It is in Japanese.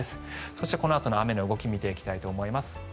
そして、このあとの雨の動きを見ていきます。